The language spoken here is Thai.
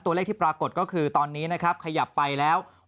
ตัวเลขที่ปรากฏก็คือตอนนี้นะครับขยับไปแล้ว